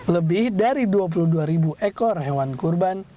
lebih dari dua puluh dua ribu ekor hewan kurban